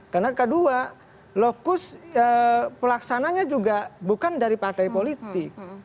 karena kedua lokus pelaksananya juga bukan dari partai politik